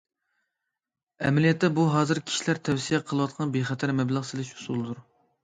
ئەمەلىيەتتە، بۇ ھازىر كىشىلەر تەۋسىيە قىلىۋاتقان بىخەتەر مەبلەغ سېلىش ئۇسۇلىدۇر.